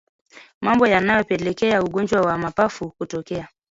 Mambo yanayopelekea ugonjwa wa mapafu kutokea